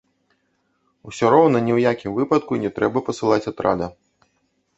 Усё роўна ні ў якім выпадку не трэба пасылаць атрада.